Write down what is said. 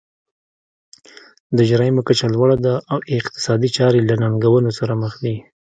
د جرایمو کچه لوړه ده او اقتصادي چارې له ننګونو سره مخ دي.